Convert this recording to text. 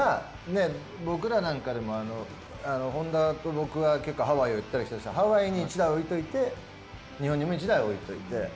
僕らなんかでも本田と僕は結構、ハワイを行ったり来たりするんですけどハワイに１台置いておいて日本にも１台置いておいて。